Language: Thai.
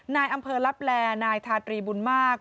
นายอำเภอลับแลนายทาตรีบุญมาก